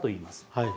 はい。